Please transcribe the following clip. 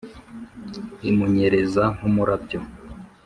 imunyereza nk'umurabyo